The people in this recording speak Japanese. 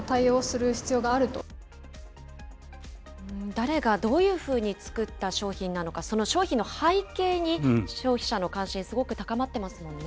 誰がどういうふうに作った商品なのか、その商品の背景に消費者の関心、すごく高まってますもんね。